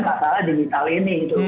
masalah digital ini